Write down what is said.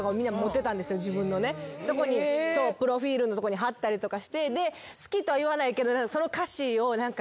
そこにプロフィルのとこに貼ったりとかしてで好きとは言わないけど。